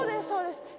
そうです